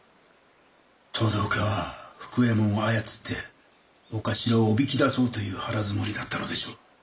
藤堂家は福右衛門を操ってお頭をおびき出そうという腹づもりだったのでしょう。